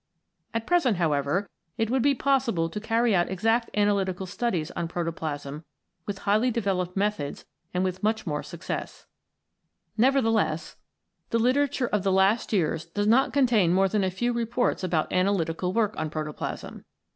At present, however, it would be possible to carry out exact analytical studies on protoplasm with highly developed methods and with much more success. Nevertheless, the literature of the last c 17 CHEMICAL PHENOMENA IN LIFE years does not contain more than a few reports about analytical work on protoplasm.